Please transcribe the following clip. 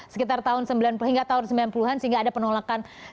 sekitar tahun sembilan puluh hingga tahun sembilan puluh an sehingga ada penolakan